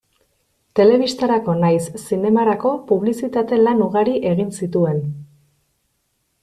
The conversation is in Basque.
Telebistarako nahiz zinemarako publizitate lan ugari egin zituen.